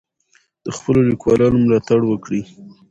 د خپلو لیکوالانو ملاتړ وکړئ.